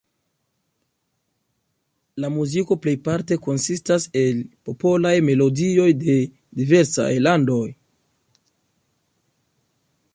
La muziko plejparte konsistas el popolaj melodioj de diversaj landoj.